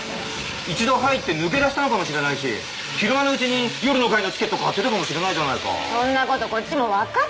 一度入って抜け出したのかもしれないし昼間のうちに夜の回のチケット買ってたかもしれないじゃないかそんなことこっちも分かってますよ